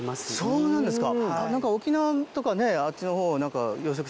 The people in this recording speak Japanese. そうなんですか！